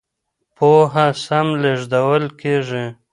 پوهه سم لېږدول کېږي.